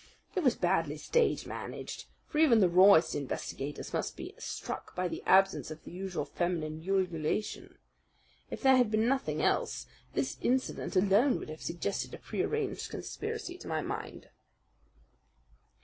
It was badly stage managed; for even the rawest investigators must be struck by the absence of the usual feminine ululation. If there had been nothing else, this incident alone would have suggested a prearranged conspiracy to my mind."